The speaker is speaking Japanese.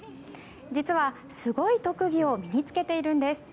実は、すごい特技を身に着けているんです。